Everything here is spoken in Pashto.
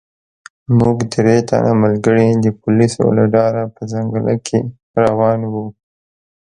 موږ درې تنه ملګري د پولیسو له ډاره په ځنګله کې روان وو.